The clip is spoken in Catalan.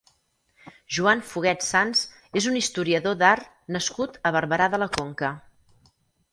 Joan Fuguet Sans és un historiador d'Art nascut a Barberà de la Conca.